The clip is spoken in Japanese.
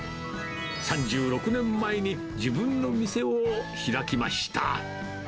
３６年前に、自分の店を開きました。